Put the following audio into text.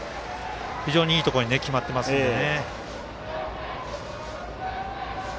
非常に、いいところに決まってますね。